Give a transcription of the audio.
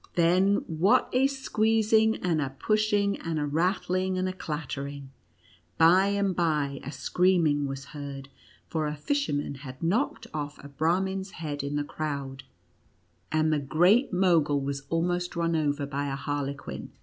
Then what a squeezing, and a pushing, and a rattling, and a clattering. By and by, a screaming was heard, for a fisherman had knocked off a Brahmin's head in the crowd, and the Great Mogul was 122 NUTCIIACKER AND MOUSE KING. almost run over by a Harlequin.